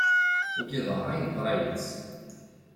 Wagi d ṛṛay n tṛayet.